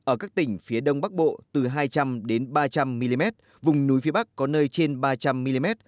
ở các tỉnh phía đông bắc bộ từ hai trăm linh ba trăm linh mm vùng núi phía bắc có nơi trên ba trăm linh mm